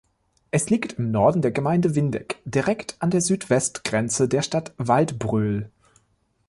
Es liegt im Norden der Gemeinde Windeck direkt an der Südwestgrenze der Stadt Waldbröl.